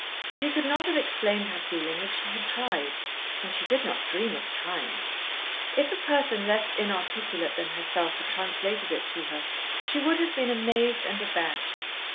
She could not have explained her feeling if she had tried, and she did not dream of trying. If a person less inarticulate than herself had translated it to her she would have been amazed and abashed.